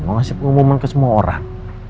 mau ngasih pengumuman ke semua orang